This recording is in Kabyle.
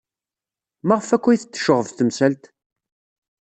Maɣef akk ay t-tecɣeb temsalt?